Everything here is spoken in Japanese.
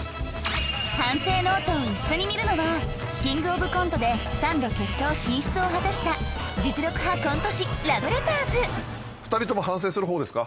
反省ノートを一緒に見るのはキングオブコントで３度決勝進出を果たした実力派コント師ラブレターズ！反省しますね。